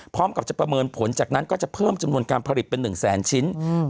พร้อมกับจะประเมินผลจากนั้นก็จะเพิ่มจำนวนการผลิตเป็นหนึ่งแสนชิ้น